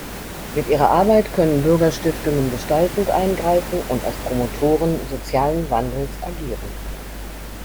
Mit ihrer Arbeit können Bürgerstiftungen gestaltend eingreifen und als Promotoren sozialen Wandels agieren.